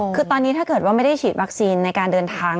คือตอนนี้ถ้าเกิดว่าไม่ได้ฉีดวัคซีนในการเดินทาง